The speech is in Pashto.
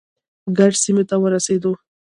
کرز سیمې ته ورسېدو.